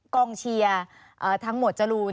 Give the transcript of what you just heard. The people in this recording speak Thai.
กองเชียร์ทั้งหมวดจรูน